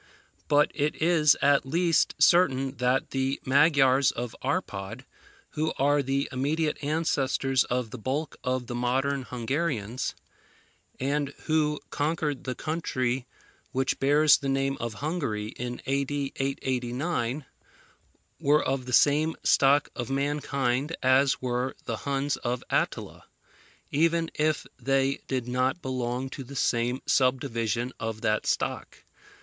But it is at least certain that the Magyars of Arpad, who are the immediate ancestors of the bulk of the modern Hungarians, and who conquered the country which bears the name of Hungary in A.D. 889, were of the same stock of mankind as were the Huns of Attila, even if they did not belong to the same subdivision of that stock.